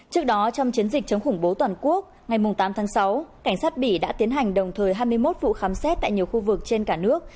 trước đó trong chiến dịch chống khủng bố toàn quốc ngày tám tháng sáu cảnh sát bỉ đã tiến hành đồng thời hai mươi một vụ khám xét tại nhiều khu vực trên cả nước